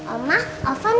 omah ini warnanya